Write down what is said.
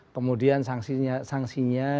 kemudian sanksinya diperhatikan